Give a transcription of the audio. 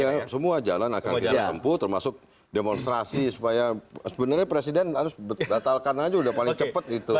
ya semua jalan akan kita tempuh termasuk demonstrasi supaya sebenarnya presiden harus batalkan aja udah paling cepat itu